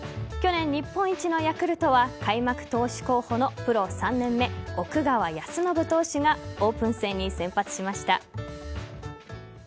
去年日本一のヤクルトは開幕投手候補のプロ３年目奥川恭伸投手がオープン戦に先発しました。